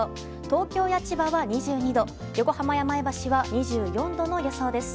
東京や千葉は２２度横浜や前橋は２４度の予想です。